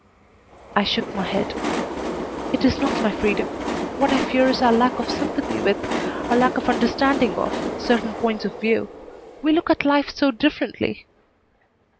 I shook my head. "It is not my freedom. What I fear is our lack of sympathy with, our lack of understanding of, certain points of view. We look at life so differently."